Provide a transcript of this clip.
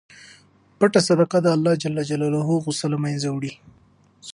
پټه صدقه د اللهﷻ غصه له منځه وړي.